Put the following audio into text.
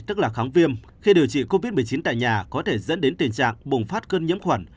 tức là kháng viêm khi điều trị covid một mươi chín tại nhà có thể dẫn đến tình trạng bùng phát cơn nhiễm khuẩn